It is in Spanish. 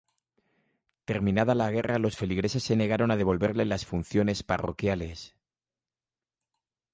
Terminada la guerra los feligreses se negaron a devolverle las funciones parroquiales.